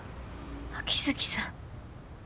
秋月さん。